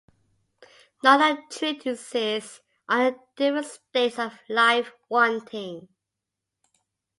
Nor are treatises on the different states of life wanting.